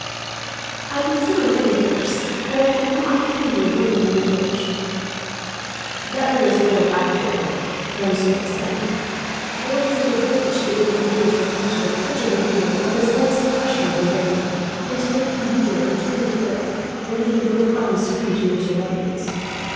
"I can sit on any horse, but I have had no opportunity of learning the menage." "That matters little, after all," Francois said; "though it is an advantage to be able to manage your horse with a touch of the heel, or the slightest pressure of the rein, and to make him wheel and turn at will, while leaving both arms free to use your weapons.